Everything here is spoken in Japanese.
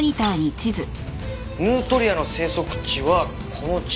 ヌートリアの生息地はこの地域。